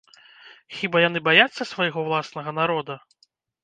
Хіба яны баяцца свайго ўласнага народа?